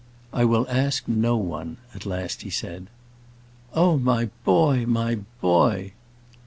"I will ask no one," at last he said. "Oh, my boy! my boy!"